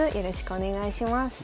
お願いします。